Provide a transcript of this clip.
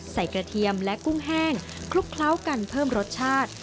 กระเทียมและกุ้งแห้งคลุกเคล้ากันเพิ่มรสชาติ